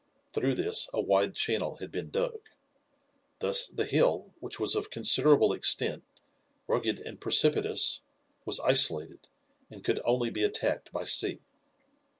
Through this a wide channel had been dug. Thus the hill, which was of considerable extent, rugged and precipitous, was isolated, and could only be attacked by sea.